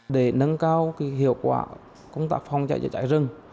để nâng cao hiệu quả công tác phòng cháy rừng